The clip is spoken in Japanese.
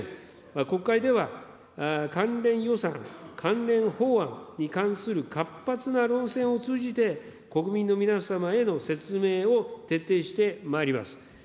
国会では、関連予算、関連法案に関する活発な論戦を通じて、国民の皆様への説明を徹底してまいります。